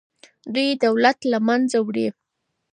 دوی دولت له منځه وړي.